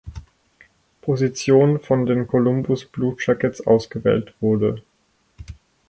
Position von den Columbus Blue Jackets ausgewählt wurde.